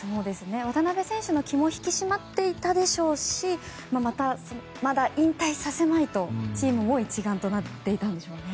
渡邊選手の気も引き締まっていたでしょうしまだ引退させないと、チームも一丸となっていたんでしょうね。